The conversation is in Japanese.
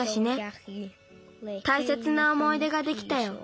たいせつなおもいでができたよ。